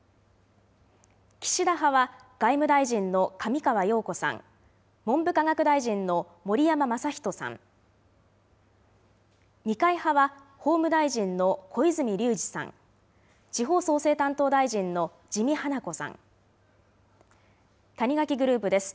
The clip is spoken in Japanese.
岸田派は外務大臣の上川陽子さん、文部科学大臣の盛山正仁さん、二階派は法務大臣の小泉龍司さん、地方創生担当大臣の自見英子さん、谷垣グループです。